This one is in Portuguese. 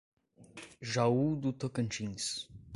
Jaú do Tocantins